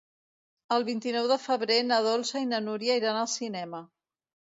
El vint-i-nou de febrer na Dolça i na Núria iran al cinema.